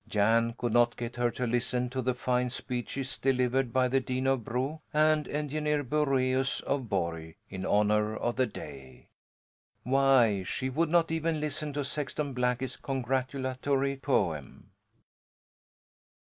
Jan could not get her to listen to the fine speeches delivered by the Dean of Bro and Engineer Boraeus of Borg, in honour of the day. Why she would not even listen to Sexton Blackie's congratulatory poem!